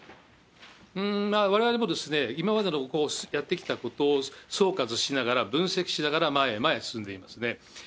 われわれも今までのやってきたことを総括しながら、分析しながら前へ前へ進んでいますね。